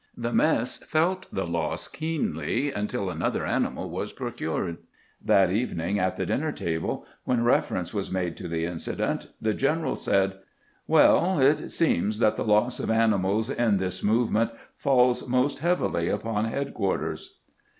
The mess felt the loss keenly until another animal was procured. That evening at the dinner table, when reference was made to the incident, the general said :" "Well, it seems that the loss of ani mals in this movement falls most heavily upon head quarters."